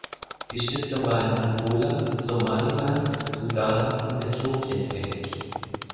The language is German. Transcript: Die Stiftung war in Angola, Somaliland, Sudan und Äthiopien tätig.